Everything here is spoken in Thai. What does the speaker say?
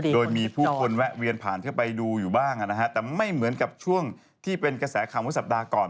โดยมีผู้คนแวะเวียนผ่านเข้าไปดูอยู่บ้างนะฮะแต่ไม่เหมือนกับช่วงที่เป็นกระแสข่าวเมื่อสัปดาห์ก่อน